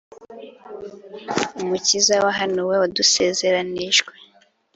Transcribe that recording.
umukiza wahanuwe wadusezeranijwe,